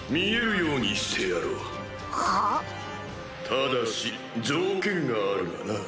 ただし条件があるがな。